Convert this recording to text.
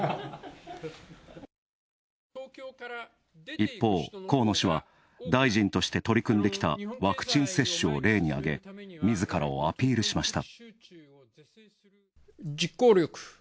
一方、河野氏は、大臣として取り組んできたワクチン接種を例に挙げみずからをアピールしました。